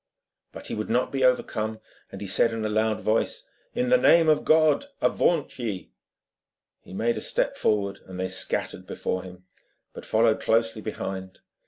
But he would not be overcome, and said in a loud voice: 'In the name of God, avaunt ye!' He made a step forward, and they scattered before him, but followed closely behind.